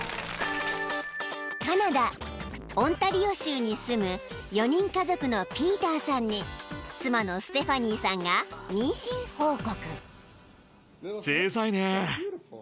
［カナダオンタリオ州に住む４人家族のピーターさんに妻のステファニーさんが妊娠報告］